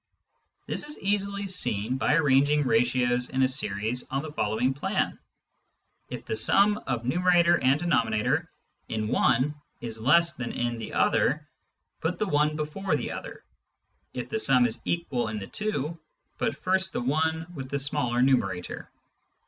This is easily seen by arranging ratios in a series on the following plan : If the sum of numerator and denominator in one is less than in the other, put the one before the other ; if the sum is equal in the two, put first the one with the smaller numerator.